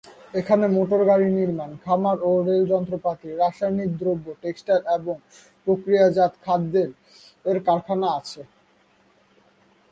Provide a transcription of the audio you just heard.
এখানে মোটরযান নির্মাণ, খামার ও রেল যন্ত্রপাতি, রাসায়নিক দ্রব্য, টেক্সটাইল এবং প্রক্রিয়াজাত খাদ্যের কারখানা আছে।